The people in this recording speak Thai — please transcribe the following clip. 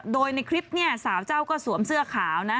โดยในคลิปเนี่ยสาวเจ้าก็สวมเสื้อขาวนะ